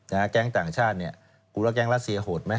แก๊งต่างชาติเนี่ยคุณว่าแก๊งรัสเซียโหดไหม